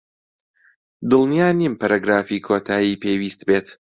دڵنیا نیم پەرەگرافی کۆتایی پێویست بێت.